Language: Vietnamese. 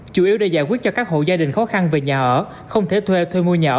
chủ yếu để giải quyết cho các hộ gia đình khó khăn về nhà ở không thể thuê thuê mua nhà